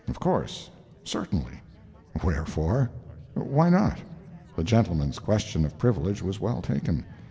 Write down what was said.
Of course. Certainly. Wherefore? Why not? The gentleman's question of privilege was well taken.